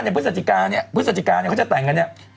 พฤศจิกาเนี่ยพฤศจิกาเนี่ยเขาจะแต่งกันเนี่ย